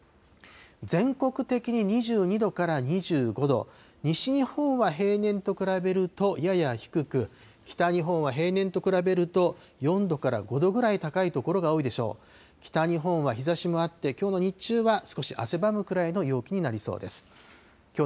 全国的に２２度から２５度、西日本は平年と比べるとやや低く、北日本は平年と比べると４度から５度くらい高い所が多いでしょう。